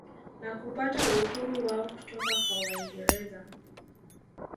Na kupata uhuru wao kutoka kwa waingereza